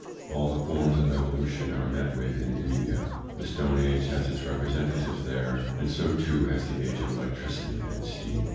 All the forms of evolution are met with in India: the stone age has its representatives there, and so too has the age of electricity and steam.